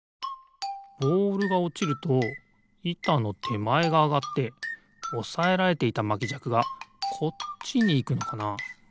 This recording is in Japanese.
ボールがおちるといたのてまえがあがっておさえられていたまきじゃくがこっちにいくのかな？